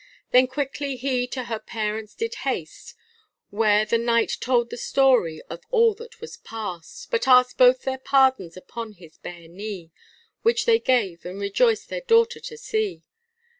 Then quickly he to her parents did haste, Where the Knight told the story of all that was past, But asked both their pardons upon his bare knee, Which they gave, and rejoiced their daughter to see.